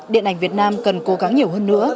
điện ảnh việt nam cần cố gắng nhiều hơn nữa